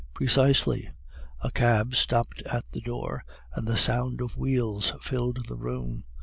"'Precisely.' "A cab stopped at the door, and the sound of wheels filled the room.